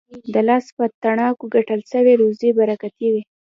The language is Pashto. د لاس په تڼاکو ګټل سوې روزي برکتي وي.